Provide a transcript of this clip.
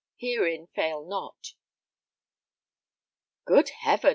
Herein fail not." "Good heaven!"